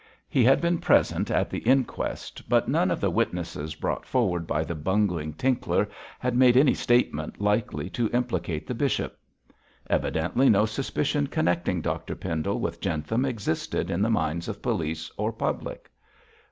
He had been present at the inquest, but none of the witnesses brought forward by the bungling Tinkler had made any statement likely to implicate the bishop. Evidently no suspicion connecting Dr Pendle with Jentham existed in the minds of police or public.